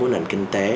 của nền kinh tế